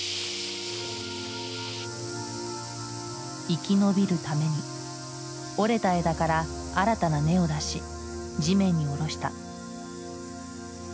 生き延びるために折れた枝から新たな根を出し地面に下ろした。